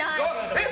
えっ！